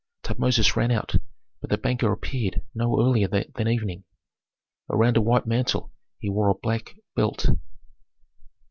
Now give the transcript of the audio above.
Tutmosis ran out, but the banker appeared no earlier than evening. Around a white mantle he wore a black belt.